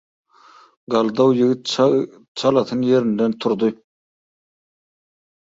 Galdaw ýigit çalasyn ýerinden turdy.